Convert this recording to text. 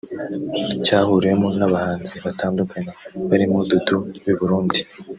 cyahuriwemo n’abahanzi batandukanye barimo Dudu w’i Burundi